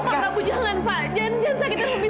kamu jangan pak jangan sakiti amira